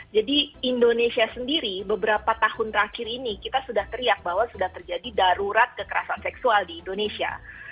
jadi indonesia sendiri beberapa tahun terakhir ini kita sudah teriak bahwa sudah terjadi darurat kekerasan seksual di indonesia